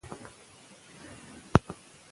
هغوی به په هغه وخت کې د نوي کال لمانځنه کوي.